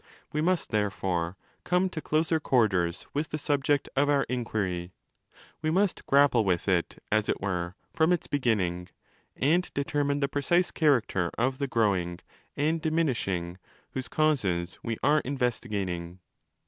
We must therefore come to closer quarters with the 3215 subject of our inquiry. We must 'grapple' with it (as it were) from its beginning, and determine the precise character of the growing and diminishing whose causes we are in vestigating.